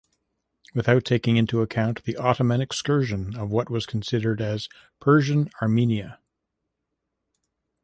Without taking in account the Ottoman excursion of what was considered as Persian Armenia.